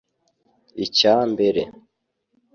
Icya mbere